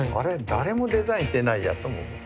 誰もデザインしてないやとも思った。